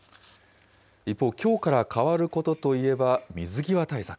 一方、きょうから変わることといえば、水際対策。